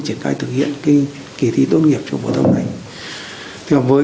triển khai thực hiện kỳ thi tốt nghiệp trung học phổ thông này